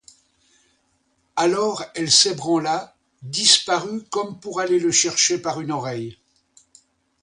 Alors, elle s'ébranla, disparut comme pour aller le chercher par une oreille.